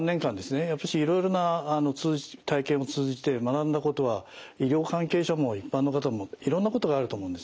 やっぱりいろいろな体験を通じて学んだことは医療関係者も一般の方もいろんなことがあると思うんですね。